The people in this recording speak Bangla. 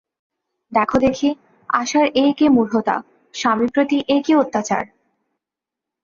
দেখো দেখি, আশার এ কী মূঢ়তা, স্বামীর প্রতি এ কী অত্যাচার।